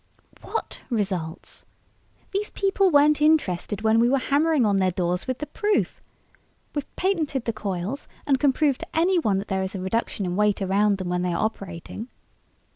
"What results?! These people weren't interested when we were hammering on their doors with the proof. We've patented the coils and can prove to anyone that there is a reduction in weight around them when they are operating...."